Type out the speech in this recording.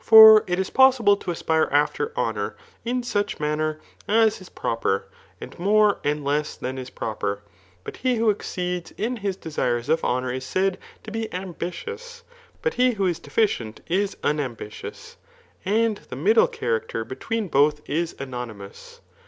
For it is pos sible to aspire after honour in such a manner as is pro per, and more and less than is proper. But he who exceeds in his desires of honour is said to be ambitious, he who is deficient is unambitious, and the middle charac er between both is anonymous.